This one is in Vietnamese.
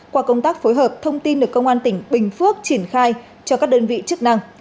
qua công tác phối hợp thông tin được công an tỉnh bình phước triển khai cho các đơn vị chức năng